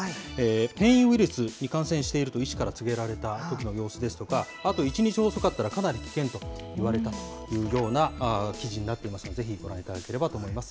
変異ウイルスに感染していると医師から告げられたときの様子ですとか、あと１日遅かったら、かなり危険と言われたというような記事になっていますけれども、ぜひご覧いただければと思います。